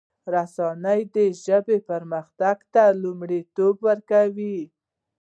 رسنی دي د ژبې پرمختګ ته لومړیتوب ورکړي.